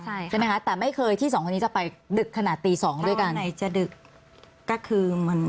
ใช่ไหมคะแต่ไม่เคยที่๒คนนี้จะไปดึกขนาดตี๒ด้วยกัน